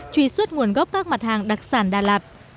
truy xuất nguồn gốc các mặt hàng đặc sản đà lạt